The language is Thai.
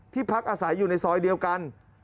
พักอาศัยอยู่ในซอยเดียวกัน